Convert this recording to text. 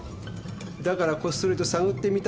だからこっそりと探ってみたんです。